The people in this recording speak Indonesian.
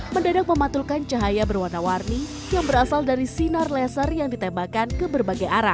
mendadak mematulkan cahaya berwarna warni yang berasal dari sinar laser yang ditembakkan ke berbagai arah